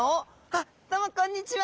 あっどうもこんにちは。